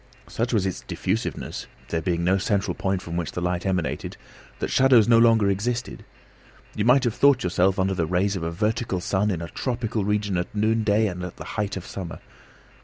Such was its diffusiveness, there being no central point from which the light emanated, that shadows no longer existed. You might have thought yourself under the rays of a vertical sun in a tropical region at noonday and the height of summer.